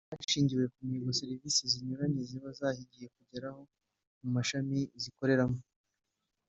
hashingiwe ku mihigo serivisi zinyuranye ziba zahize kugeraho mu mashami zikoreramo